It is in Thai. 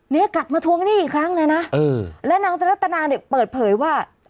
เนี้ยกลับมาทวงหนี้อีกครั้งเลยนะเออและนางตรัตนาเนี่ยเปิดเผยว่า